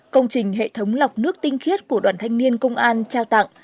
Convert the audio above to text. công trình hệ thống lọc nước tinh khiết của đoàn thanh niên công an trao tặng